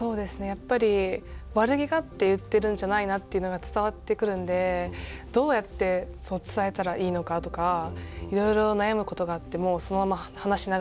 やっぱり悪気があって言ってるんじゃないなっていうのが伝わってくるんでどうやって伝えたらいいのかとかいろいろ悩むことがあってもそのまま話し流しちゃったりとかもしてましたね。